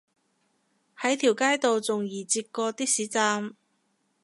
喺條街度仲易截過的士站